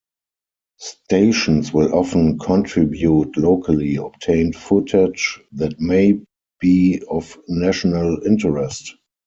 Stations will often contribute locally obtained footage that may be of national interest.